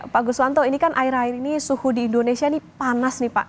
pak guswanto ini kan akhir akhir ini suhu di indonesia ini panas nih pak